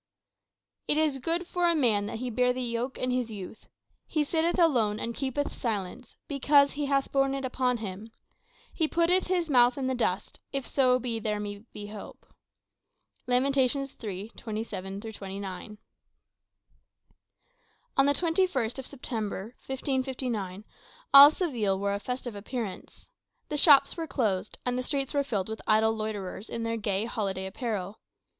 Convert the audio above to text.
"It is good for a man that he bear the yoke in his youth He sitteth alone and keepeth silence, because he hath borne it upon him. He putteth his mouth in the dust, if so be there may be hope." Lamentations iii, 27 29 On the 21st of September 1559, all Seville wore a festive appearance. The shops were closed, and the streets were filled with idle loiterers in their gay holiday apparel.